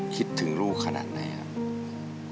คิดถึงลูกขนาดไหนครับ